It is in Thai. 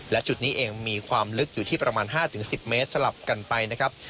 และจุดนี้เองมีความลึกอยู่ที่ประมาณ๕๑๐เมตรสลับกันไปนะครับ